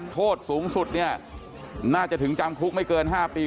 โทษสูงสุดเนี่ยน่าจะถึงจำคุกไม่เกิน๕ปี